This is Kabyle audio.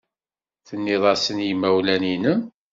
Tennid-asen i yimawlan-nnem?